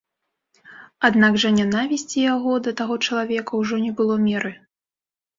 Аднак жа нянавісці яго да таго чалавека ўжо не было меры.